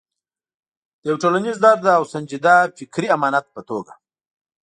د یو ټولنیز درد او سنجیده فکري امانت په توګه.